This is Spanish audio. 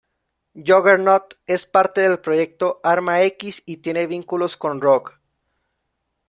Juggernaut es parte del proyecto Arma X, y tiene vínculos con Rogue.